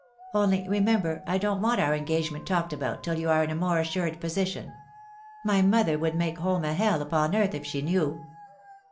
Only remember I don't want our engagement talked about till you are in a more assured position. My mother would make home a hell upon earth, if she knew."